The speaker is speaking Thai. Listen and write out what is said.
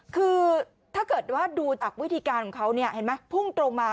คือถ้าเกิดว่าดูจากวิธีการของเขาเนี่ยเห็นไหมพุ่งตรงมา